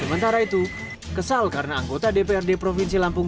sementara itu kesal karena anggota dprd provinsi lampung